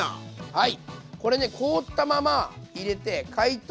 はい。